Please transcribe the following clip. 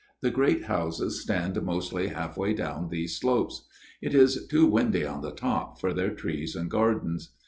The great houses stand mostly half way down these slopes. It is too windy on the top for their trees and gardens.